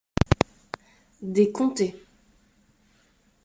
Des comtés